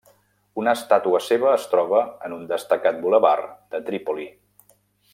Una estàtua seva es troba en un destacat bulevard de Trípoli.